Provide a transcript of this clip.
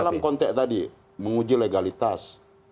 dalam konteks tadi menguji legalitas